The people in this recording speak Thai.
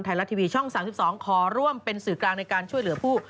ไทยรัฐทีวีช่อง๓๒ขอร่วมเป็นสื่อกลางในการช่วยเหลือผู้